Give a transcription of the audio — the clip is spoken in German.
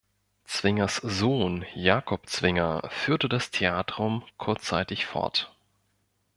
Zwingers Sohn, Jakob Zwinger, führte das "Theatrum" kurzzeitig fort.